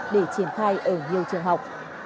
để triển khai ở nhiều trường học